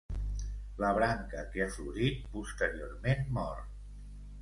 La branca que ha florit posteriorment mor.